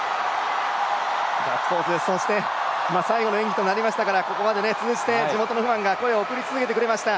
ガッツポーズ、そして最後の演技となりましたからここまで通じて地元のファンが声援を送り続けてくれました。